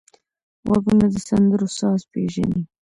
غوږونه د سندرو ساز پېژني